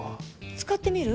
使ってみる？